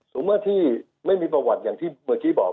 เมื่อที่ไม่มีประวัติอย่างที่เมื่อกี้บอก